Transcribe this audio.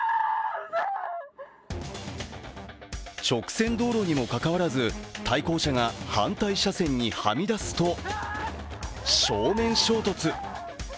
直線道路にもかかわらず、対向車が反対車線にはみ出すと正面衝突。